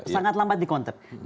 sangat lambat di counter